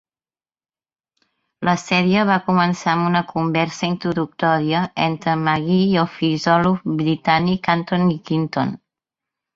La sèrie va començar amb una conversa introductòria entre Magee i el filòsof britànic Anthony Quinton.